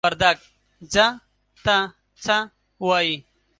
وردگ "ځه" ته "څَ" وايي.